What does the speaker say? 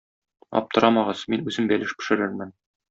Аптырамагыз, мин үзем бәлеш пешерермен.